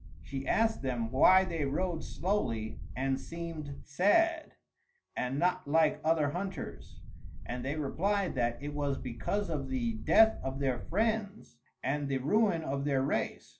She asked them why they rode slowly and seemed sad, and not like other hunters; and they replied that it was because of the death of their friends and the ruin of their race.